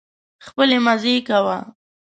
خپلې مزې کوه.